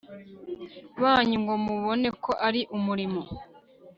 banyu ngo mubone ko ari umurimo